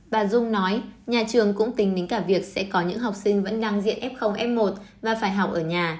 bà dung nói nhà trường cũng tính đến cả việc sẽ có những học sinh vẫn đang diễn f f một và phải học ở nhà